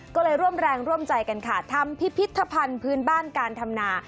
ก็เลยร่วมแรงร่วมใจกันค่ะทำพิพิธภัณฑ์พื้นบ้านการทำนา